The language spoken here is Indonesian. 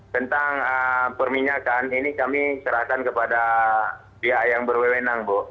tentang perminyakan ini kami serahkan kepada pihak yang berwenang bu